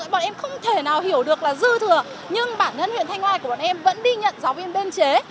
bọn em không thể nào hiểu được là dư thừa nhưng bản thân huyện thanh ai của bọn em vẫn đi nhận giáo viên biên chế